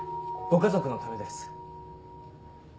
ご家族のためです。